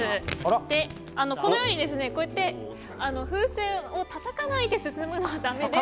このように風船をたたかないで進むのはだめで。